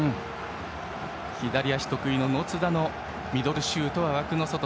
左足得意の野津田のミドルシュートは枠の外。